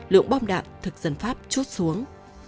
lượng bom đạn thực dân pháp chút xuống